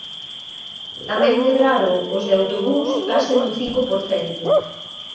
Tamén medraron os de autobús case nun cinco por cento.